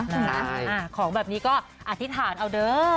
ของแบบนี้ก็อธิษฐานเอาเด้อ